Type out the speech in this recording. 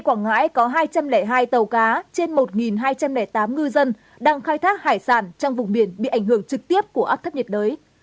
quảng ngãi có hai trăm linh hai tàu cá trên một hai trăm linh tám ngư dân đang khai thác hải sản trong vùng biển bị ảnh hưởng trực tiếp của áp thấp nhiệt đới